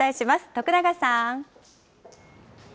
徳永さん。